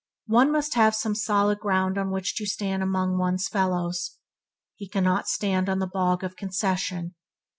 One must have some solid ground on which to stand among one's fellows. He cannot stand on the bog of concession.